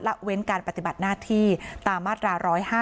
เว้นการปฏิบัติหน้าที่ตามมาตรา๑๕